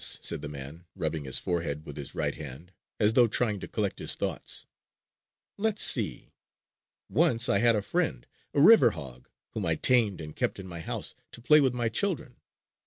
said the man, rubbing his forehead with his right hand, as though trying to collect his thoughts. "Let's see.... Once I had a friend, a river hog, whom I tamed and kept in my house to play with my children.